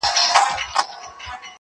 خدایه مینه د قلم ور کړې په زړو کي -